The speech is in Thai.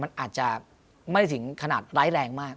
มันอาจจะไม่ถึงขนาดร้ายแรงมาก